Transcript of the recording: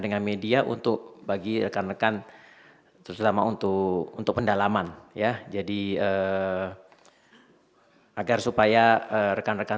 dengan media untuk bagi rekan rekan terutama untuk untuk pendalaman ya jadi agar supaya rekan rekan